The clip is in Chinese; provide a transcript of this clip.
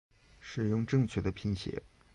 使用正确的拼写